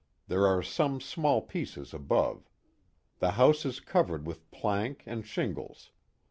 There are some small pieces above. The house is covered with plank and shingle*.